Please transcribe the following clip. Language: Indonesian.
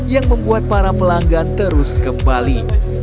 yang membuat para pelanggan terus kembali